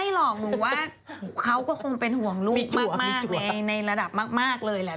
หรอกหนูว่าเขาก็คงเป็นห่วงลูกมากในระดับมากเลยแหละ